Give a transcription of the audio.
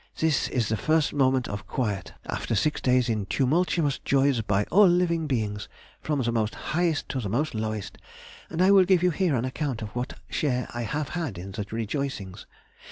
This is the first moment of quiet after six days in tumultuous joys by all living beings, from the most highest to the most lowest, and I will give you here an account of what share I have had in the rejoicings.